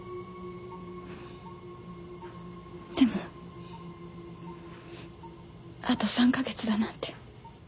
でもあと３カ月だなんて。